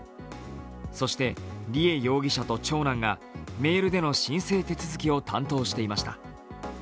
そして、梨恵容疑者と長男がメールでの申請手続きを担当していました。